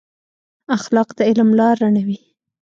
اخلاق د علم لار رڼوي.